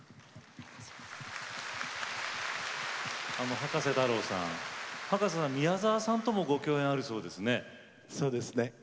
葉加瀬太郎さん葉加瀬さんは宮沢さんともご共演があるそうですね。